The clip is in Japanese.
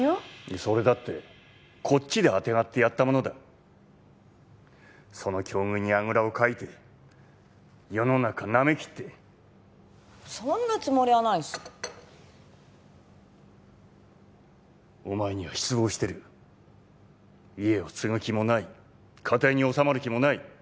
それだってこっちであてがってやったものだその境遇にあぐらをかいて世の中なめきってそんなつもりはないしお前には失望してる家を継ぐ気もない家庭に収まる気もない